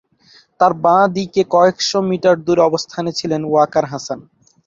তার বাঁ দিকে কয়েক শ মিটার দূরে অবস্থানে ছিলেন ওয়াকার হাসান।